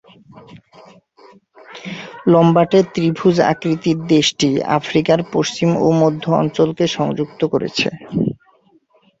লম্বাটে ত্রিভুজ আকৃতির দেশটি আফ্রিকার পশ্চিম ও মধ্য অঞ্চলকে সংযুক্ত করেছে।